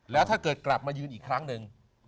แล้วถ้าเกิดกลับมายืนอีกครั้งหนึ่ง